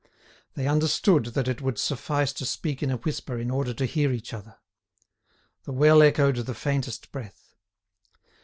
They understood that it would suffice to speak in a whisper in order to hear each other. The well echoed the faintest breath.